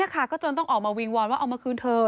ก็จนต้องออกมาวิงวอนว่าเอามาคืนเธอ